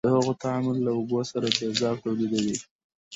د هغو تعامل له اوبو سره تیزاب تولیدوي.